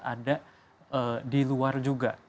ada di luar juga